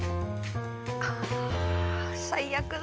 ああ最悪だ。